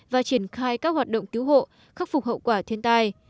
và triển khai các hoạt động cứu hộ khắc phục hậu quả thiên tai